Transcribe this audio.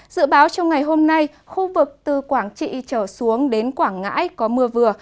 dự báo trong ngày hôm nay khu vực từ quảng trị trở xuống đến quảng ngãi có mưa vừa